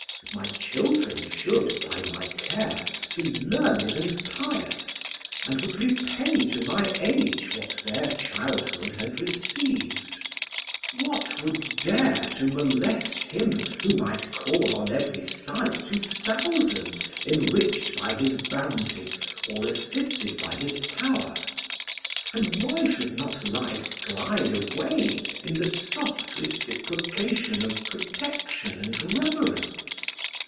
My children should by my care be learned and pious, and would repay to my age what their childhood had received. What would dare to molest him who might call on every side to thousands enriched by his bounty or assisted by his power? And why should not life glide away in the soft reciprocation of protection and reverence?